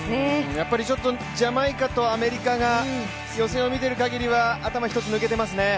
やっぱりちょっとジャマイカとアメリカが予選を見ているかぎりは頭１つ抜けていますね。